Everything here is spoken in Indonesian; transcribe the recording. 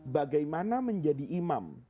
bagaimana menjadi imam